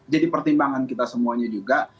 jadi pertimbangan kita semuanya juga